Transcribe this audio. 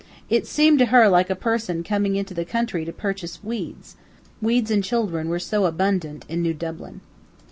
It seemed to her like a person coming into the country to purchase weeds. Weeds and children were so abundant in New Dublin.